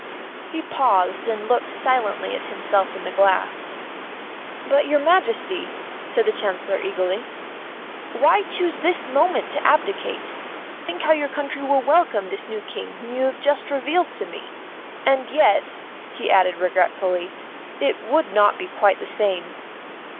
He paused and looked silently at himself in the glass. "But, your Majesty," said the Chancellor eagerly, "why choose this moment to abdicate? Think how your country will welcome this new King whom you have just revealed to me. And yet," he added regretfully, "it would not be quite the same."